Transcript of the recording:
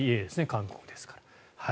韓国ですから。